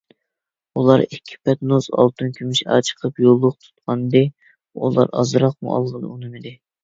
ئۇلار ئىككى پەتنۇس ئالتۇن - كۈمۈش ئاچىقىپ يوللۇق تۇتقانىدى، ئۇ ئازراقمۇ ئالغىلى ئۇنىمىدى.